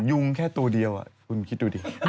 ยุงแค่ตัวเดียวคุณคิดดูดิ